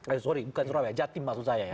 eh sorry bukan surabaya jatim maksud saya ya